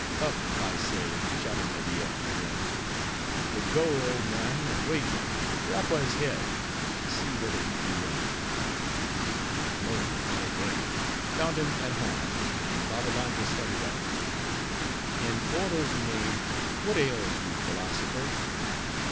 up! I say," shouted Media again. "But go, old man, and wake him: rap on his head, and see whether he be in." Mohi, obeying, found him at home; and Babbalanja started up. "In Oro's name, what ails you, philosopher?